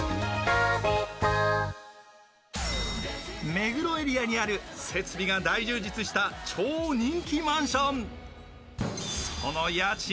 目黒エリアにある設備が大充実した超人気マンション。